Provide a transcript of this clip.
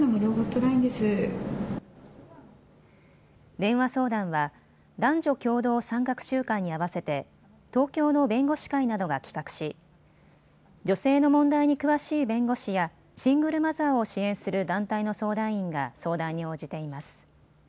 電話相談は男女共同参画週間に合わせて東京の弁護士会などが企画し女性の問題に詳しい弁護士やシングルマザーを支援する団体の相談員が相談に応じています。